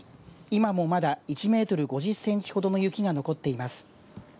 今もまだ１メートル５０センチほどの雪が残っています。